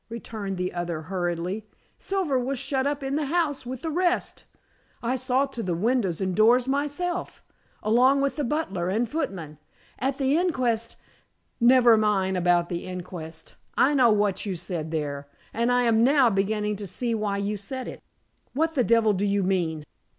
returned the other hurriedly. "Silver was shut up in the house with the rest. I saw to the windows and doors myself, along with the butler and footmen. At the inquest " "Never mind about the inquest. I know what you said there, and I am now beginning to see why you said it." "What the devil do you mean?"